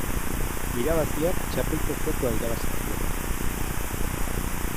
Irabazleak txapel preziatua irabazi zuen.